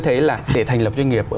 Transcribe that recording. thế là để thành lập doanh nghiệp